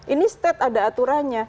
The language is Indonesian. ini stat ada aturannya